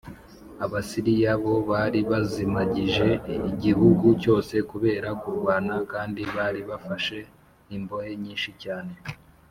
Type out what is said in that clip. Abasiriya bo bari bazimagije igihugu cyose kubera kurwana kandi bari bafashe imbohe nyinshi cyane